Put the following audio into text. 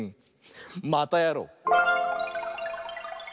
またやろう！